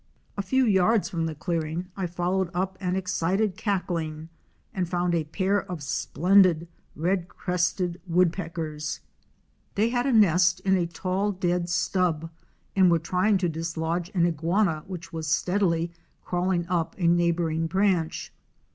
A few yards from the clear ing I followed up an excited cackling and found a pair of splendid Red crested Woodpeckers. They had a nest in 312 OUR SEARCH FOR A WILDERNESS. a tall dead stub and were trying to dislodge an iguana which was steadily crawling up a neighboring branch.